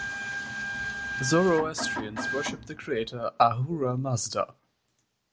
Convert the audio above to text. Zoroastrians worship the creator Ahura Mazda.